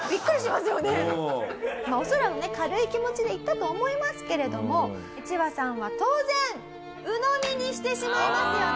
恐らくね軽い気持ちで言ったと思いますけれどもイチバさんは当然鵜呑みにしてしまいますよね。